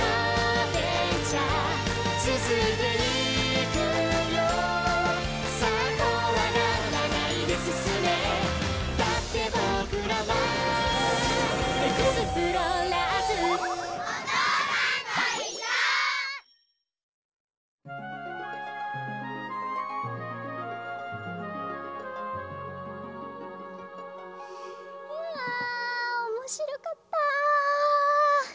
あおもしろかった。